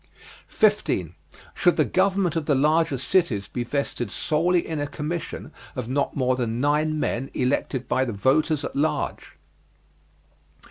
15. Should the government of the larger cities be vested solely in a commission of not more than nine men elected by the voters at large?